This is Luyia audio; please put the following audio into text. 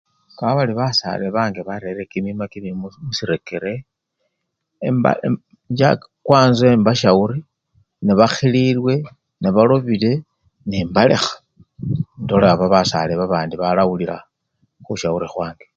Kaba bari basale bange barerire kimima kimibii musirekere emba! inch! kwanza embasyawuri, nebakhililwe, nebalobile nembalekha nendola aba basale babandi balawulila khusyawuri khwange.